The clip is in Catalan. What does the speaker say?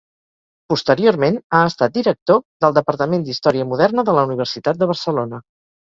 Posteriorment ha estat director del Departament d'Història Moderna de la Universitat de Barcelona.